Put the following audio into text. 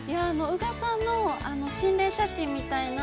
◆宇賀さんの心霊写真みたいな。